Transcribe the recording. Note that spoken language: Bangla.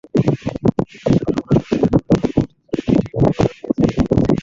সেসব সংস্থার কাছ থেকে জমি ব্যবহারের অনুমতি চেয়ে চিঠি পাঠিয়েছে ডিএনসিসি।